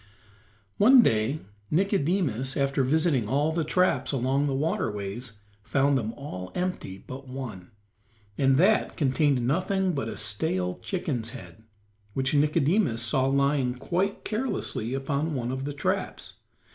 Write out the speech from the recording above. One day Nicodemus, after visiting all the traps along the waterways, found them all empty but one, and that contained nothing but a stale chicken's head, which Nicodemus saw lying quite carelessly upon one of the traps.